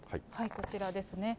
こちらですね。